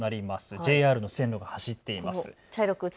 ＪＲの線路が走っています。